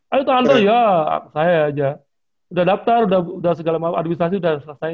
ayuh tahan aja saya aja udah daftar udah segala macam administrasi udah selesai